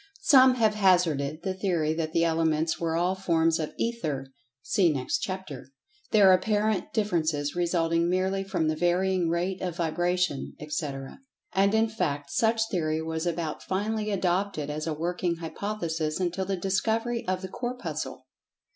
Some have hazarded the theory that the Elements were all forms of Ether (see next chapter), their apparent differences resulting merely from the varying rate of vibration, etc. And, in fact, such theory was about finally adopted as a working hypothesis until the discovery of the Corpuscle.